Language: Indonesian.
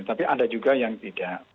tapi ada juga yang tidak